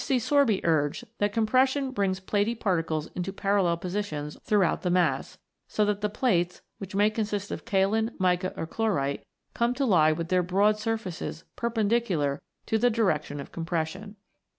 C. Sorby urged that com pression brings platy particles into parallel positions throughout the mass, so that the plates, which may consist of kaolin, mica, or chlorite, come to lie with their broad surfaces perpendicular to the direction of compression.